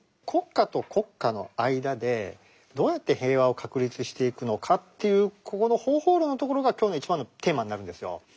国家と国家の間でどうやって平和を確立していくのかというここの方法論のところが今日の一番のテーマになるんですよ。